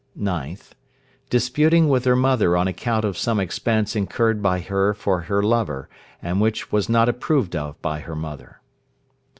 9th. Disputing with her mother on account of some expense incurred by her for her lover, and which was not approved of by her mother.